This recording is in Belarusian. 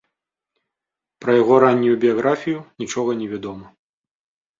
Пра яго раннюю біяграфію нічога не вядома.